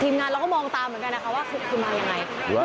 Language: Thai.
ทีมงานเราก็มองตามเหมือนกันว่าคุกคุมมาอย่างไร